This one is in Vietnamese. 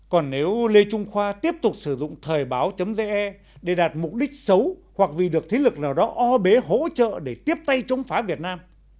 còn nếu lê trung khoa tiếp tục sử dụng thời báo ge để đạt mục đích xấu hoặc vì được thế lực nào đó o bế hỗ trợ để tiếp tay chống phá việt nam